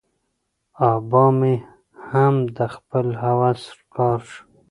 آبا مې هم د خپل هوس ښکار شو.